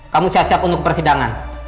kamu siap siap untuk persidangan